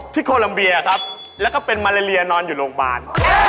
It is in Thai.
โคลัมเบียครับแล้วก็เป็นมาเลเลียนอนอยู่โรงพยาบาล